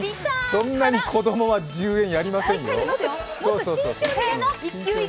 そんなに子供は１０円、やりませんよ。